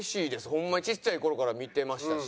ホンマにちっちゃい頃から見てましたし。